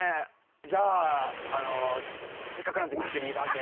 じゃあせっかくなんでミステリー版で。